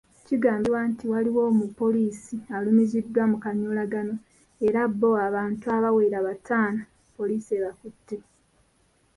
Kigambibwa nti waliwo omupoliisi alumiziddwa mu kanyoolagano era bo abantu abawera bataano poliisi ebakutte.